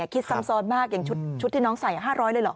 คิดซ้ำซ้อนมากอย่างชุดที่น้องใส่๕๐๐เลยเหรอ